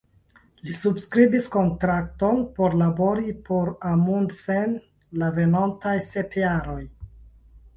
Li subskribis kontrakton por labori por Amundsen la venontaj sep jaroj.